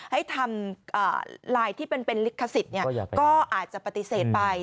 ให้ทำไลน์ที่เป็นลิขสิทธิ์ก็อาจจะปฏิเสธไป